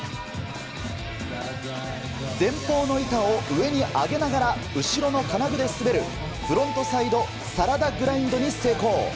前方の板を上に上げながら後ろの金具で滑るフロントサイドサラダグラインドに成功。